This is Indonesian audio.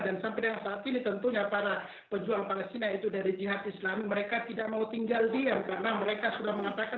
dan sampai dengan saat ini tentunya para pejuang palestina yaitu dari jihad islami mereka tidak mau tinggal diam karena mereka sudah mengatakan bahwa